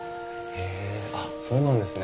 あっそうなんですね。